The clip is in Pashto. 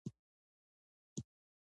آیا دا پروژې بودیجه لري؟